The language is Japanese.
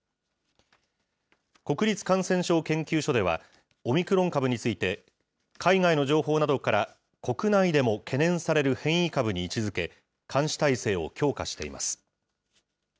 国立感染症研究所では、オミクロン株について、海外の情報などから国内でも懸念される変異株に位置づけ、監視体制を強化しています。